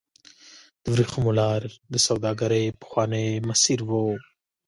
د ورېښمو لار د سوداګرۍ پخوانی مسیر و.